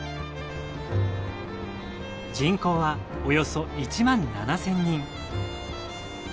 人口はおよそ１万７０００人。